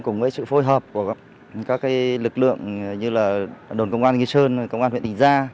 cùng với sự phối hợp của các lực lượng như là đồn công an nghi sơn công an huyện đình gia